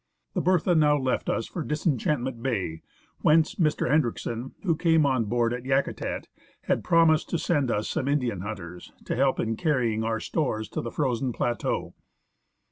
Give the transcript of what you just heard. The Bertha now left us for Disenchantment Bay, whence Mr. Hendriksen, who came on board at Yakutat, had promised to send us some Indian hunters to help in carrying our stores to the frozen plateau.